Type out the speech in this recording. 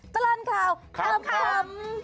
ตลอดข่าวขำ